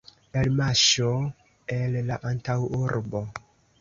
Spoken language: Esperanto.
Elmarŝo el la antaŭurbo.